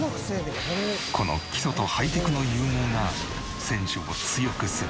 この基礎とハイテクの融合が選手を強くする。